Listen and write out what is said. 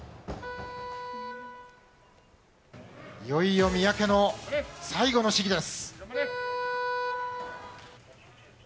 いよいよ三宅の最後の試技です。